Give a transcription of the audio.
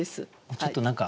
ちょっと何か。